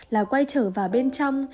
là quay trở vào bên trong